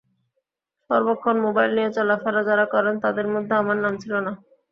সর্বক্ষণ মোবাইল নিয়ে চলাফেরা যাঁরা করেন, তাঁদের মধ্যে আমার নাম ছিল না।